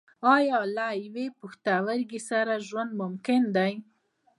ایا له یوه پښتورګي سره ژوند ممکن دی